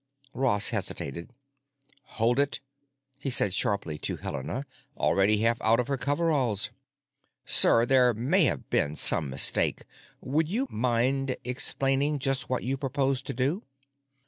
Ross hesitated. "Hold it!" he said sharply to Helena, already half out of her coveralls. "Sir, there may have been some mistake. Would you mind explaining just what you propose to do?"